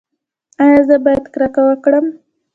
ایا زه باید کرکه وکړم؟